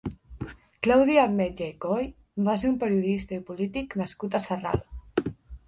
Claudi Ametlla i Coll va ser un periodista i polític nascut a Sarral.